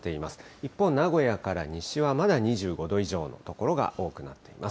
一方、名古屋から西はまだ２５度以上の所が多くなっています。